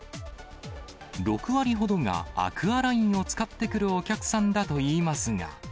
６割ほどがアクアラインを使って来るお客さんだといいますが。